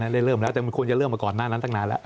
แต่มันควรจะเริ่มมาก่อนหน้านั้นตั้งนานแล้ว